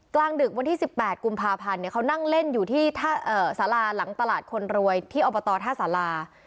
กลางดึกวันที่๑๘กุมภาพันธ์เขานั่งเล่นอยู่ที่สาราหลังตลาดคนรวยที่อบตท่าสารา